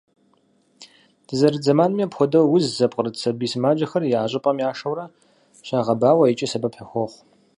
Дызэрыт зэманми, апхуэдэ уз зыпкърыт сабий сымаджэхэр а щӀыпӀэм яшэурэ щагъэбауэ икӀи сэбэп яхуохъу.